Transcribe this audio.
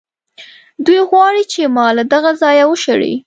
دوی غواړي چې ما له دغه ځایه وشړي.